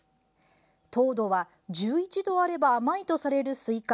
糖度は１１度あれば甘いとされるスイカ。